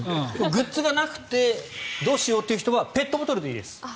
グッズがなくてどうしようって人はペットボトルでいいです。